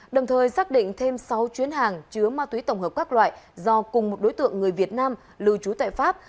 đồng thời xác định thêm sáu chuyến hàng chứa ma túy tổng hợp các loại do cùng một đối tượng người việt nam lưu trú tại pháp